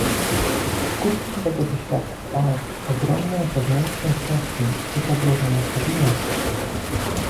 Skutkiem tego doświadcza ogromnej wewnętrznej presji i zagrożenia stabilności